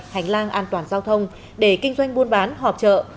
hành lang an toàn giao thông để kinh doanh buôn bán họp trợ